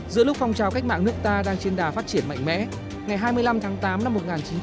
giữa lúc phong trào cách mạng nước ta đang trên đà phát triển mạnh mẽ ngày hai mươi năm tháng tám năm một nghìn chín trăm bốn mươi năm